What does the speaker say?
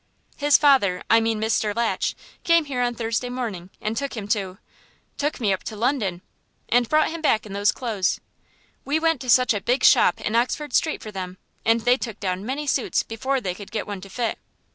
"His father I mean Mr. Latch came here on Thursday morning, and took him to " "Took me up to London " "And brought him back in those clothes." "We went to such a big shop in Oxford Street for them, and they took down many suits before they could get one to fit.